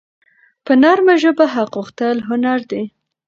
په نرمه ژبه حق غوښتل هنر دی.